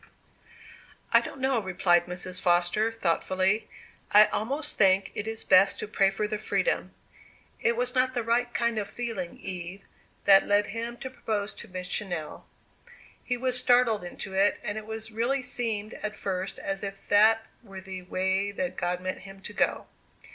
"I don't know," replied Mrs. Foster, thoughtfully. "I almost think it is best to pray for the freedom. It was not the right kind of feeling, Eve, that led him to propose to Miss Channell. He was startled into it, and it really seemed at first as if that were the way that God meant him to go."